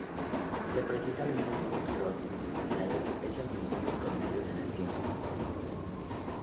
Se precisa al menos dos observaciones secuenciales hechas en puntos conocidos en el tiempo.